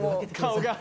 顔が。